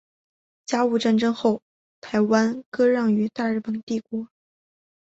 甲午战争后台湾割让予大日本帝国。